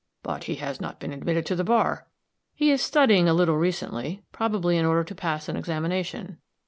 "But, he has not been admitted to the bar." "He is studying a little recently; probably in order to pass an examination."